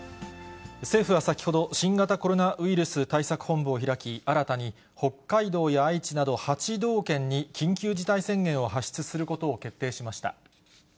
政府は先ほど、新型コロナウイルス対策本部を開き、新たに北海道や愛知など８道県に緊急事態宣言を発出することを決定しました。